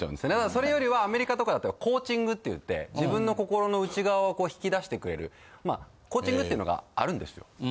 それよりはアメリカとかだったらコーチングっていって自分の心の内側をこう引き出してくれるまあコーチングっていうのがあるんですよ。